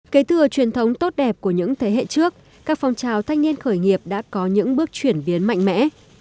kể từ truyền thống tốt đẹp của những thế hệ trước các phong trào thanh niên khởi nghiệp đã có những bước chuyển biến mạnh mẽ